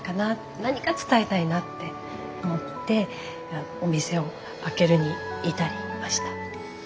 何か伝えたいなって思ってお店を開けるに至りました。